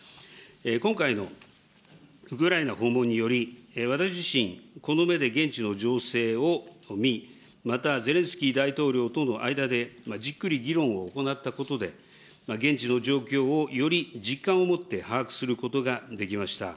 今回のウクライナ訪問により、私自身、この目で現地の情勢を見、また、ゼレンスキー大統領との間で、じっくり議論を行ったことで、現地の状況をより実感を持って把握することができました。